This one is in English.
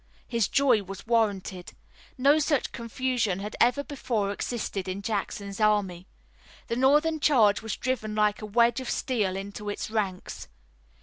His joy was warranted. No such confusion had ever before existed in Jackson's army. The Northern charge was driven like a wedge of steel into its ranks.